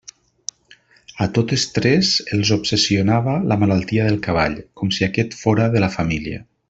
A totes tres els obsessionava la malaltia del cavall, com si aquest fóra de la família.